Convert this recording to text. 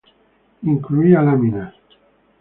Incluía láminas.